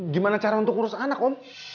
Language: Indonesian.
gimana cara untuk ngurus anak om